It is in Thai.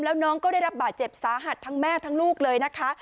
แล้วน้องก็ได้รับบาดเจ็บสาหัสทั้งแม่ทั้งลูกเลยนะคะ